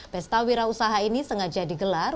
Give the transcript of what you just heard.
pesta wira usaha ini sengaja digelar